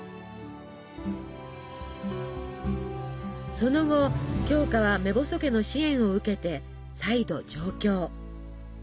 その後鏡花は目細家の支援を受けて再度上京。